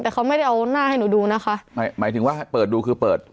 แต่เขาไม่ได้เอาหน้าให้หนูดูนะคะหมายหมายถึงว่าเปิดดูคือเปิด